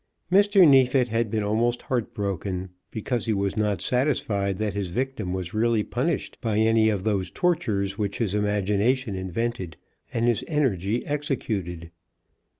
Mr. Neefit had been almost heart broken, because he was not satisfied that his victim was really punished by any of those tortures which his imagination invented, and his energy executed.